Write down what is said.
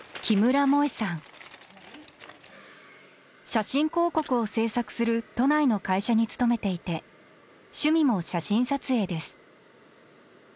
写真広告を制作する都内の会社に勤めていて趣味も写真撮影です。